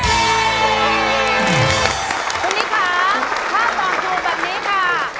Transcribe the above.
คุณนิคค่ะ